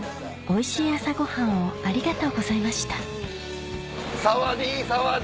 おいしい朝ごはんをありがとうございましたサワディー